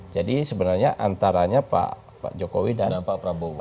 jadi sebenarnya antaranya pak jokowi dan pak prabowo